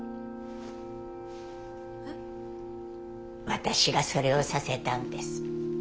私がそれをさせたんです。